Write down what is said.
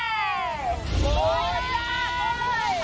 โอ้่ยอีกบุ๊บไม่ได้หยังเวลานะครับ